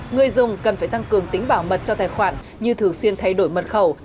người dùng cần phải tăng cường tính bảo mật cho tài khoản như thường xuyên thay đổi mật khẩu